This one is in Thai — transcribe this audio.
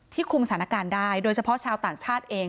คุมสถานการณ์ได้โดยเฉพาะชาวต่างชาติเอง